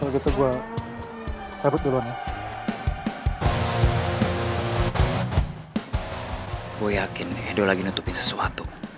gue yakin edho lagi nutupin sesuatu